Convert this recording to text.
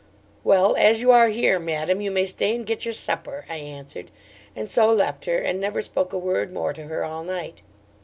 '"Well as you are here, madam, you may stay and get your supper," I answered, and so left her, and never spoke a word more to her all night.